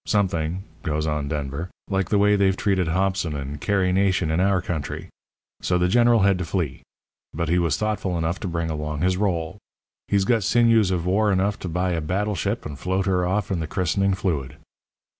Something,' goes on Denver, 'like the way they've treated Hobson and Carrie Nation in our country. So the General had to flee. But he was thoughtful enough to bring along his roll. He's got sinews of war enough to buy a battleship and float her off in the christening fluid.'